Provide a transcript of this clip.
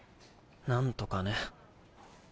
なんとかね。